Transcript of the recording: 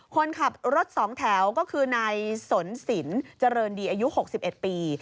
คนขับรถ๒แถวก็คือนายสนสินเจริญดีอายุ๖๑ปี